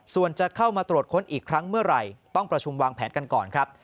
ส่วนจะเข้ามาตรวจค้นอีกครั้งเมื่อไหร่ต้องประชุมวางแผนกันก่อนครับ